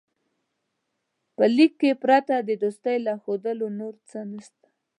په لیک کې پرته د دوستۍ له ښودلو نور څه نسته.